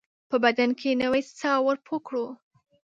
په بدن کې نوې ساه ورپو کړو